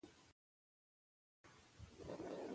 دوی به په راتلونکي کې ښه کتابونه چاپ کړي.